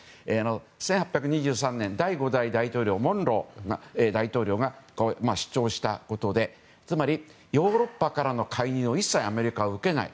１８２３年、第５代大統領モンロー大統領が主張したことでつまり、ヨーロッパからの介入を一切、アメリカは受けない。